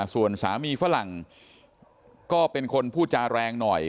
ส่วนสามีฝรั่งก็เป็นคนพูดจาแรงหน่อย